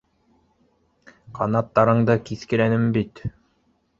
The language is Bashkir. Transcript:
Ҡанаттарыңды киҫкеләнем бит